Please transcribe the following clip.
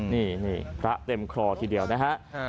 นี่พระเต็มคลอทีเดียวนะฮะ